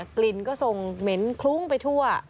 กลิ่นก็ทรงเหม็นคลุ้งไปทั่ว